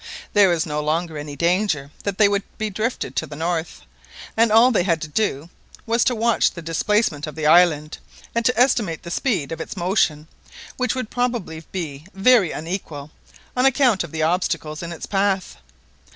There was no longer any danger that they would be drifted to the north, and all they had to do was to watch the displacement of the island, and to estimate the speed of its motion, which would probably be very unequal, on account of the obstacles in its path.